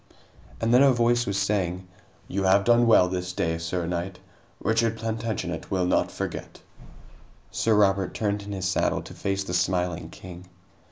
And then a voice was saying: "You have done well this day, sir knight. Richard Plantagenet will not forget." Sir Robert turned in his saddle to face the smiling king.